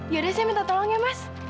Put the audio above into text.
yaudah saya minta tolong ya mas